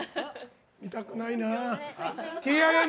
見たくないな。